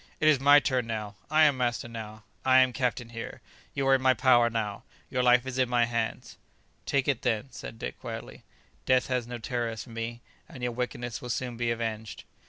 "It is my turn now! I am master now! I am captain here! You are in my power now! Your life is in my hands!" "Take it, then," said Dick quietly; "death has no terrors for me, and your wickedness will soon be avenged."